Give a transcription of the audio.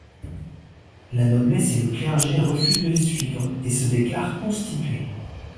La noblesse et le clergé refusent de les suivre et se déclarent constituées.